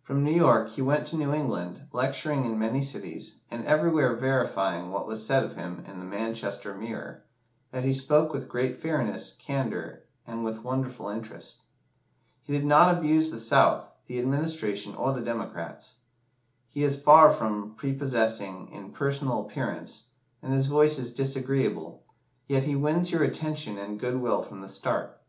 From New York he went to New England, lecturing in many cities, and everywhere verifying what was said of him in the "Manchester Mirror," that he spoke with great fairness, candour, and with wonderful interest. "He did not abuse the South, the Administration, or the Democrats. He is far from prepossessing in personal appearance, and his voice is disagreeable, yet he wins your attention and good will from the start.